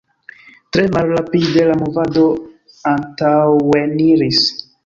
Tre malrapide la movado antaŭeniris.